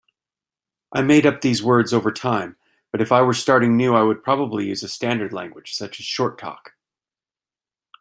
I made these words up over time, but if I were starting new I would probably use a standard language such as Short Talk.